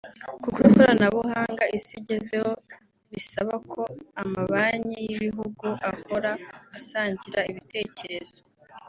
kuko ikoranabuhanga isi igezeho risaba ko amabanki y’ibihugu ahora asangira ibitekerezo